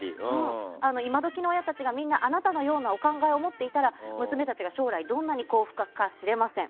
今時の親たちが皆あなたのようなお考えを持っていたら娘たちが将来どんなに幸福かもしれません。